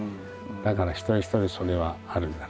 だから一人一人それはあるんだろうね。